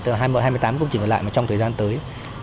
tức là hai mươi tám công trình còn lại trong thời gian tới